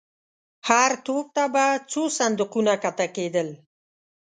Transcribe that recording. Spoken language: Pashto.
هر توپ ته به څو صندوقونه کښته کېدل.